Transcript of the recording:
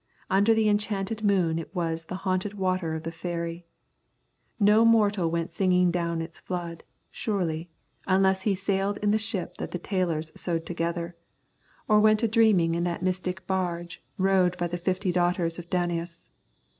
Under the enchanted moon it was the haunted water of the fairy. No mortal went singing down its flood, surely, unless he sailed in the ship that the tailors sewed together, or went a dreaming in that mystic barge rowed by the fifty daughters of Danaus.